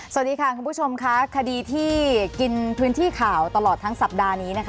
สวัสดีค่ะคุณผู้ชมค่ะคดีที่กินพื้นที่ข่าวตลอดทั้งสัปดาห์นี้นะคะ